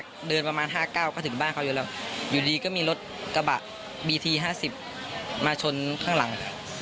ห้าเดินประมาณห้าเก้าก็ถึงบ้านเขาอยู่แล้วอยู่ดีก็มีรถกระบะบีทีห้าสิบมาชนข้างหลัง